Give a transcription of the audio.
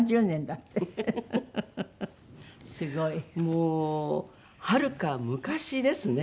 もうはるか昔ですね